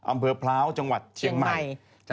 อำเภอพร้าวจังหวัดเชียงใหม่